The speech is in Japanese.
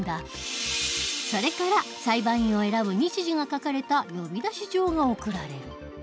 それから裁判員を選ぶ日時が書かれた呼出状が送られる。